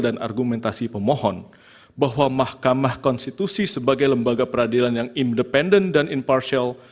dan argumentasi pemohon bahwa mahkamah konstitusi sebagai lembaga peradilan yang independen dan impartial